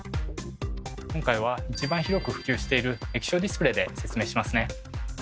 今回は一番広く普及している液晶ディスプレーで説明しますね。